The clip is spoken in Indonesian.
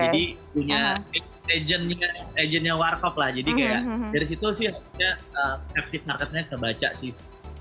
punya agentnya agentnya warcop lah jadi kayak dari situ sih akhirnya captive marketnya terbaca sih